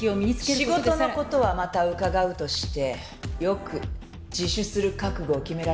「仕事の事はまた伺うとしてよく自首する覚悟を決められましたね」